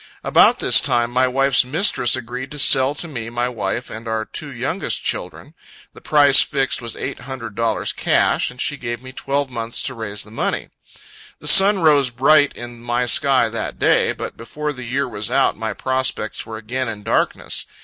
About this time, my wife's mistress agreed to sell to me my wife and our two youngest children. The price fixed, was eight hundred dollars cash, and she gave me twelve months to raise the money. The sun rose bright in my sky that day; but before the year was out, my prospects were again in darkness.